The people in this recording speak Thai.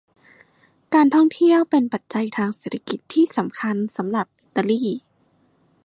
การท่องเที่ยวเป็นปัจจัยทางเศรษฐกิจที่สำคัญสำหรับอิตาลี